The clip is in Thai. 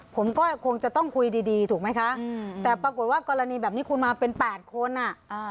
ผมก็คงจะต้องคุยดีดีถูกไหมคะแต่ปรากฏว่ากรณีแบบนี้คุณมาเป็น๘คนอ่ะอ่า